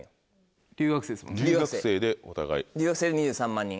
留学生２３万人。